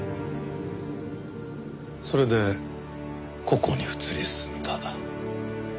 それでここに移り住んだ。